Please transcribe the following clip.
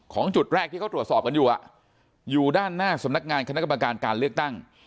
จุดแรกที่เขาตรวจสอบกันอยู่อยู่ด้านหน้าสำนักงานคณะกรรมการการเลือกตั้ง